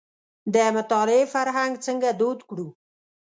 د مطالعې فرهنګ څنګه دود کړو.